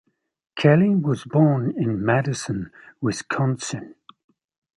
Kelly was born in Madison, Wisconsin.